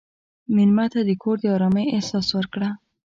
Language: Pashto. مېلمه ته د کور د ارامۍ احساس ورکړه.